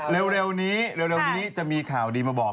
แล้วก็เร็วนี้จะมีข่าวดีมาบอก